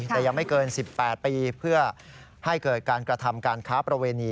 แต่ยังไม่เกิน๑๘ปีเพื่อให้เกิดการกระทำการค้าประเวณี